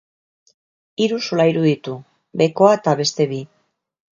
Hiru solairu ditu, behekoa eta beste bi.